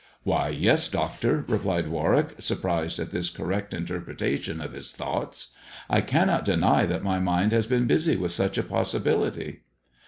" Why, yes, doctor," replied Warwick, surprised at this correct interpretation of his thoughts. " I cannot deny that my mind has been busy with such a possibility."